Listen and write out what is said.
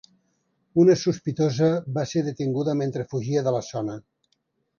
Una sospitosa va ser detinguda mentre fugia de la zona.